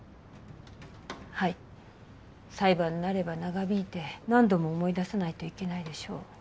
はい裁判になれば長引いて何度も思い出さないといけないでしょう